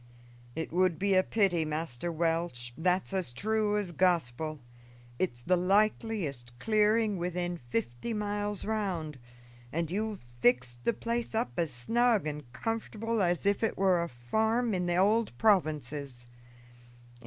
"It would be a pity, Master Welch, that's as true as Gospel. It's the likeliest clearing within fifty miles round, and you've fixed the place up as snug and comfortable as if it were a farm in the old provinces.